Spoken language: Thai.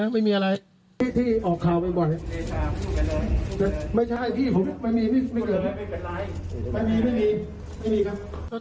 ไม่มีครับ